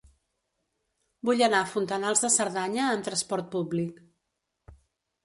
Vull anar a Fontanals de Cerdanya amb trasport públic.